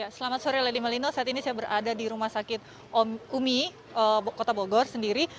selamat sore lady malino saat ini saya berada di rumah sakit umi kota bogor sendiri